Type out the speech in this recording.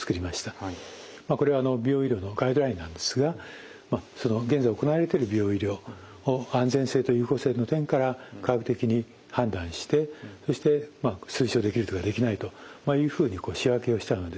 これは美容医療のガイドラインなんですが現在行われている美容医療を安全性と有効性の点から科学的に判断してそして推奨できるとかできないというふうに仕分けをしたのです。